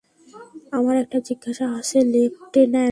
আমার একটা জিজ্ঞাসা আছে, লেফটেন্যান্ট।